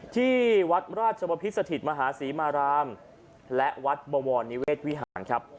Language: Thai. ที่วัดราชบพิษสถิตมหาศรีมารามและวัดบวรนิเวศวิหารครับ